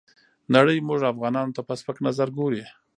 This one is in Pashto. نړۍ موږ افغانانو ته په سپک نظر ګوري.